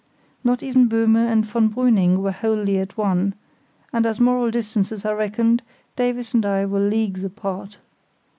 Not even Böhme and von Brüning were wholly at one; and as moral distances are reckoned, Davies and I were leagues apart.